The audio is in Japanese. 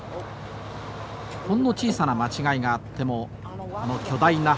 ほんの小さな間違いがあってもこの巨大な橋桁は架かりません。